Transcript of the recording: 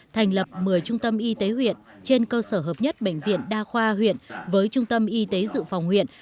thành lập một mươi trung tâm y tế huyện trên cơ sở hợp nhất bệnh viện đa khoa huyện với trung tâm y tế dự phòng huyện